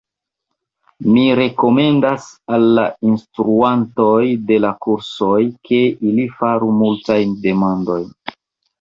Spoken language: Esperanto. Mi rekomendas al la instruantoj de la kursoj, ke, ili faru multajn demandojn.